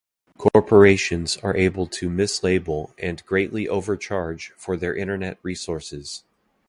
Corporations are able to mislabel and greatly overcharge for their internet resources.